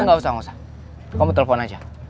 enggak usah kamu telpon aja